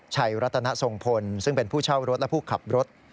ชัยรัตนทรงพลซึ่งเป็นผู้เช่ารถและผู้ขับรถ